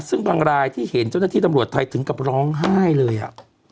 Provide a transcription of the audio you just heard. ซึ่งบางรายที่เห็นเจ้าหน้าที่ตำรวจไทยถึงกับร้องไห้เลยอ่ะ